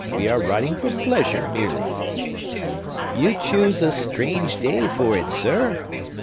We are riding for pleasure merely." "You choose a strange day for it, sir!"